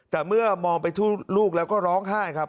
แต่เมื่อมองไปลูกแล้วก็ร้องไห้ครับ